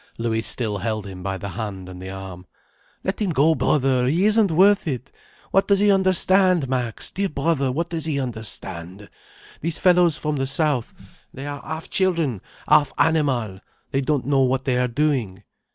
Louis still held him by the hand and by the arm. "Let him go, brother, he isn't worth it. What does he understand, Max, dear brother, what does he understand? These fellows from the south, they are half children, half animal. They don't know what they are doing.